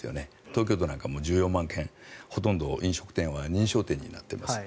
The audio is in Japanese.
東京都なんかも１４万軒、ほとんど飲食店は認証店になっています。